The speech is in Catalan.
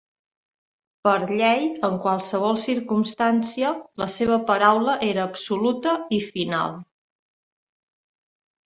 Per llei, en qualsevol circumstància, la seva paraula era absoluta i final.